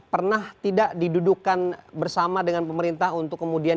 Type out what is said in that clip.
pernah tidak didudukan bersama dengan pemerintah untuk kemudian